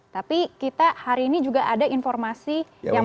tapi kita hari ini juga ada informasi yang